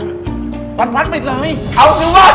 ยังยิงยาวปะกะเป่ายิงช็อป